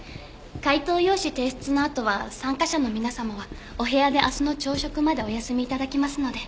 解答用紙提出のあとは参加者の皆様はお部屋で明日の朝食までお休み頂きますので。